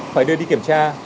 phải đưa đi kiểm tra